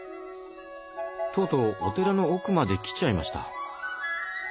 とうとうお寺の奥まで来ちゃいました。